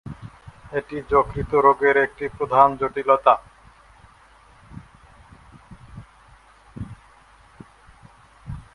এটি যকৃতের রোগের একটি প্রধান জটিলতা।